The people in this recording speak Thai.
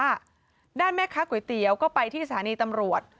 ให้ได้แม่ค้าก๋วยเตี๋ยวก็ไปที่ศาลีตำรวจ